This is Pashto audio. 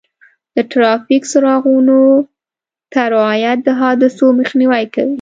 د ټرافیک څراغونو ته رعایت د حادثو مخنیوی کوي.